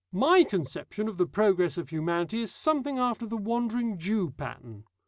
My conception of the progress of humanity is something after the Wandering Jew pattern.